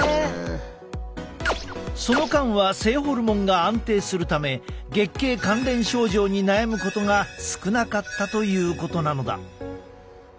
その間は性ホルモンが安定するため月経関連症状に悩むことが少なかったということなのだ。